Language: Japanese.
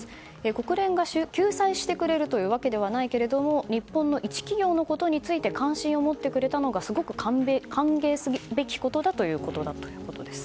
国連が救済してくれるというわけではないけれども日本の一企業のことについて関心を持ってくれたことがすごく歓迎すべきことだということだと。